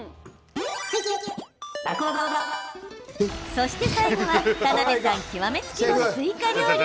そして、最後は田辺さん極め付きのスイカ料理。